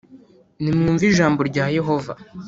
nimwumve ijambo rya Yehova